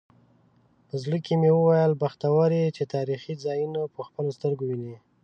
په زړه کې مې وویل بختور یې چې تاریخي ځایونه په خپلو سترګو وینې.